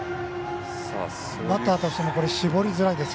バッターとしても絞りづらいです。